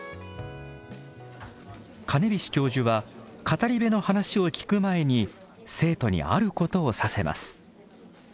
金菱教授は語り部の話を聞く前に生徒にあることをさせます。